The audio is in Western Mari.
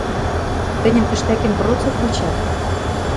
– Тӹньӹм тӹштӓкен процок вычат...